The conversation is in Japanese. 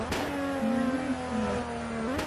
お前、なにやってんだよ！？